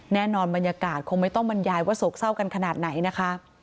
บรรยากาศคงไม่ต้องบรรยายว่าโศกเศร้ากันขนาดไหนนะคะ